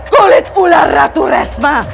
kulit ular ratu resma